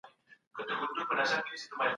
اصلي حقونه هغه دي چي خالق ورته ټاکلي دي.